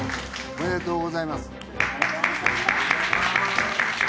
ありがとうございます。